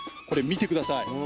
これ見て下さい。